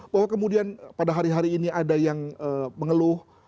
bahwa kemudian pada hari hari ini ada yang mengeluh